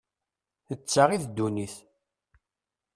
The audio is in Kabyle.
D ta i ddunit.